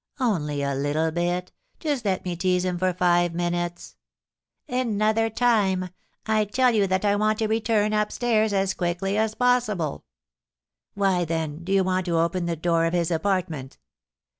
"Only a little bit, just let me tease him for five minutes?" "Another time; I tell you that I want to return up stairs as quickly as possible." "Why, then, do you want to open the door of his apartment?"